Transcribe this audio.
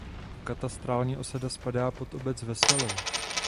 Katastrálně osada spadá pod obec Veselou.